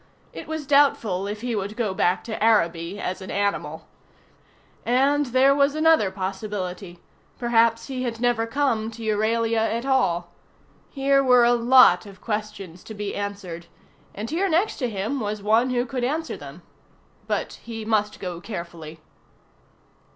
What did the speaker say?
It was doubtful if he would go back to Araby as an animal. And then there was another possibility: perhaps he had never come to Euralia at all. Here were a lot of questions to be answered, and here next to him was one who could answer them. But he must go carefully.